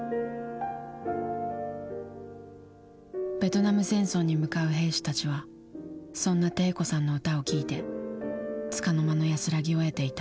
ベトナム戦争に向かう兵士たちはそんな悌子さんの歌を聴いてつかの間の安らぎを得ていた。